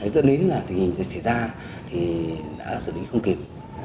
dẫn đến là tình hình dịch xảy ra thì đã xử lý không kịp